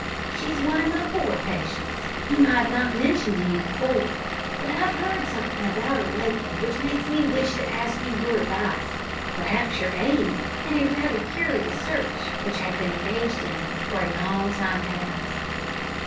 She's one of my poor patients, whom I have not mentioned to you before, but I've heard something about her lately which makes me wish to ask your advice perhaps your aid in a rather curious search which I've been engaged in for a long time past."